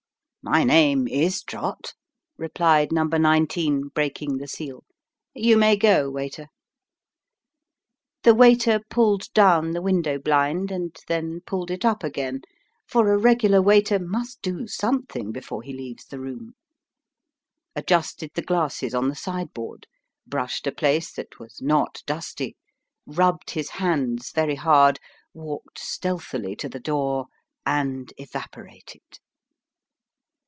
" My name is Trott," replied number nineteen, breaking the seal. " You may go, waiter." The waiter pulled down the window blind, and then pulled it up again for a regular waiter must do something before he leaves the room adjusted the glasses on the sideboard, brushed a place that was not dusty, rubbed his hands very hard, walked stealthily to the door, and evaporated.